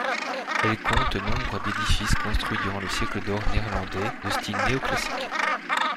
Elle comte nombre d'édifices construits durant le siècle d'or néerlandais, de style néo-classique.